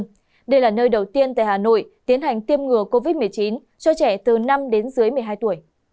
trẻ hà nội tiến hành tiêm ngừa covid một mươi chín cho trẻ từ năm đến dưới một mươi hai tuổi